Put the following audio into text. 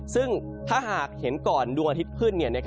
ซึ่งถ้าหากเห็นก่อนดวงอาทิตย์ขึ้น